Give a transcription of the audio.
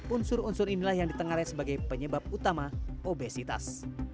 unsur unsur inilah yang ditengarai sebagai penyebab utama obesitas